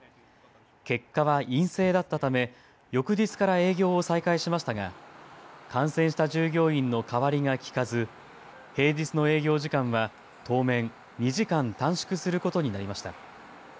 結果は陰性だったため翌日から営業を再開しましたが感染した従業員の代わりがきかず平日の営業時間は当面、２時間短縮することになりました。